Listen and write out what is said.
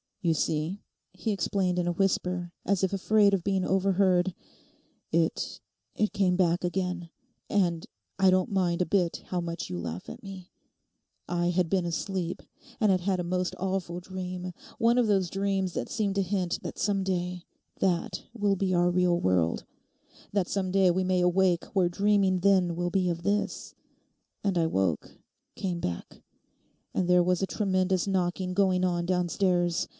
'You see,' he explained in a whisper, as if afraid of being overheard, 'it—it came back again, and—I don't mind a bit how much you laugh at me! I had been asleep, and had had a most awful dream, one of those dreams that seem to hint that some day that will be our real world, that some day we may awake where dreaming then will be of this; and I woke—came back—and there was a tremendous knocking going on downstairs.